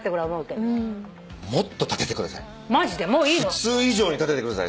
普通以上に立ててください。